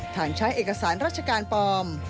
ฐานใช้เอกสารราชการปลอม